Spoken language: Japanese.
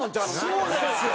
そうなんですよ！